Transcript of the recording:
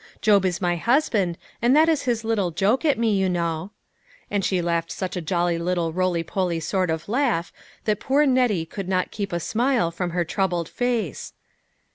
Job is my husband, and that is his little joke at me, you know." And she laughed such a jolly little roly poly sort of laugh that poor Nettie could not keep a smile from her troubled face.